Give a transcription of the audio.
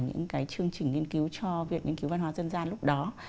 những cái chương trình nghiên cứu cho việc nghiên cứu văn hóa dân gian lúc đó